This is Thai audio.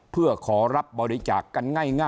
เขาก็ไปร้องเรียน